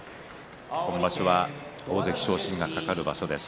今場所は、大関昇進が懸かる場所です。